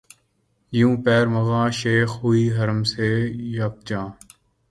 یوں پیر مغاں شیخ حرم سے ہوئے یک جاں